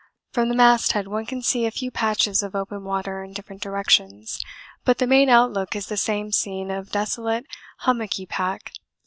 From the masthead one can see a few patches of open water in different directions, but the main outlook is the same scene of desolate hummocky pack.